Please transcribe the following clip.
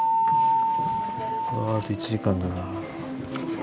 ああと１時間だな。